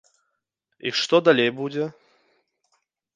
І што далей будзе?